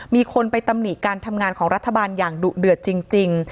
มีคนไปตำหนิการทำงานของรัฐบาลอย่างดุเดือดจริง